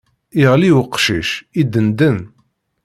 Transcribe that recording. Iɣli uqcic, iddenden.